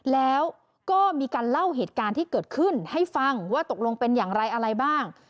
แล้วก็มีการเล่าเหตุการณ์ที่เกิดขึ้นให้ฟังว่าตกลงเป็นอย่างไรอะไรบ้าง